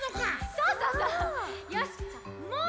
そうそうそう！